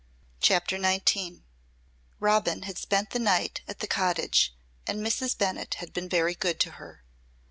CHAPTER XIX Robin had spent the night at the cottage and Mrs. Bennett had been very good to her.